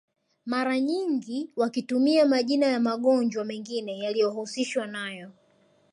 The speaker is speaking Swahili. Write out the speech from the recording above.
Mara nyingi wakitumia majina ya magonjwa mengine yaliyohusishwa nao